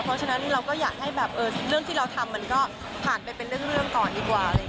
เพราะฉะนั้นเราก็อยากให้แบบเรื่องที่เราทำมันก็ผ่านไปเป็นเรื่องก่อนดีกว่า